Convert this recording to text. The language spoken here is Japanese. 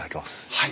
はい。